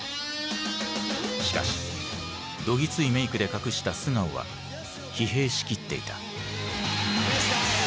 しかしどぎついメークで隠した素顔は疲弊しきっていた。